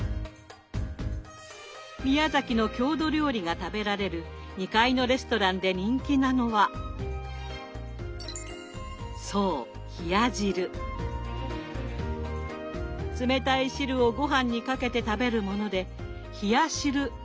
宮崎の郷土料理が食べられる２階のレストランで人気なのはそう冷たい汁をごはんにかけて食べるもので「ひやしる」とも呼ばれます。